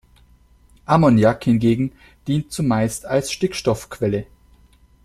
Ammoniak hingegen dient zumeist als Stickstoff-Quelle.